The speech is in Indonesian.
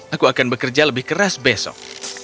aku akan bekerja lebih keras besok